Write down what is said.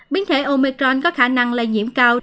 biến thể omicron có khả năng lây nhiễm cao